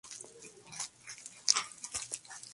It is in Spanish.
Se confirma que el hijo es de Sean.